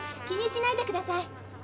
気にしないでください。